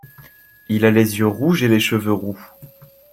Il a les yeux rouges et les cheveux roux.